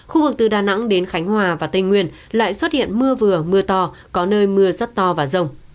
khu vực từ đà nẵng đến khánh hòa và tây nguyên lại xuất hiện mưa vừa mưa to có nơi mưa rất to và rông